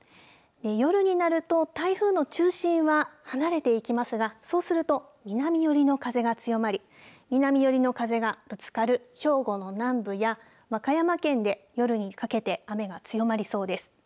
夜になると台風の中心は離れていきますが、そうすると南寄りの風が強まり南寄りの風がぶつかる兵庫の南部や和歌山県で夜にかけて雨が強まりそうです。